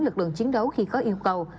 lực lượng chiến đấu khi có yêu cầu